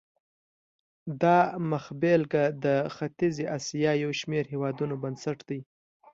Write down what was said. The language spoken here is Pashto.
دا مخبېلګه د ختیځې اسیا یو شمېر هېوادونو بنسټ دی.